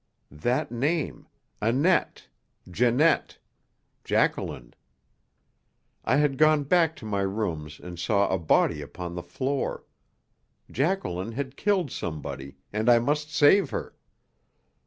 That name Annette Jeannette Jacqueline! I had gone back to my rooms and saw a body upon the floor. Jacqueline had killed somebody, and I must save her!